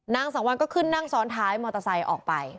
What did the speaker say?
นางสังวัลก็ขึ้นนั่งซ้อนท้ายมอเตอร์ไซค์ออกไป